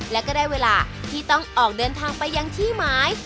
และก็ได้เวลาที่ต้องออกเดินทางไปยังที่หมาย